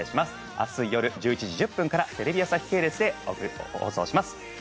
明日夜１１時１０分からテレビ朝日系列で放送します。